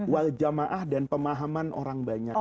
wal jamaah dan pemahaman orang banyak